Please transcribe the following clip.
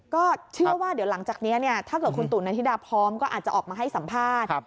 ก็เชื่อว่าเดี๋ยวหลังจากนี้ถ้าเกิดคุณตุ๋นนาธิดาพร้อมก็อาจจะออกมาให้สัมภาษณ์